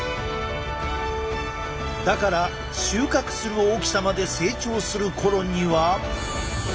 だから収穫する大きさまで成長する頃には。